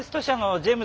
ジェームズ？